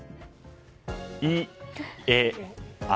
い、え、あ。